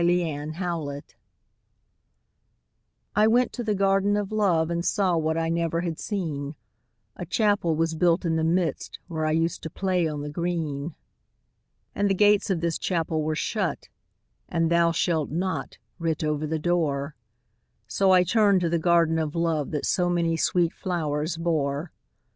THE GARDEN OF LOVE I went to the Garden of Love, And saw what I never had seen; A Chapel was built in the midst, Where I used to play on the green. And the gates of this Chapel were shut, And 'Thou shalt not' writ over the door; So I turned to the Garden of Love That so many sweet flowers bore.